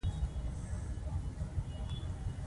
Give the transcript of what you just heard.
ایا زه باید کرم وخورم؟